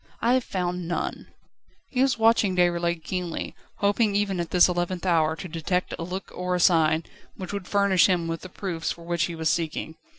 I have found none." He was watching Déroulède keenly, hoping even at this eleventh hour to detect a look or a sign, which would furnish him with the proofs for which he was seeking.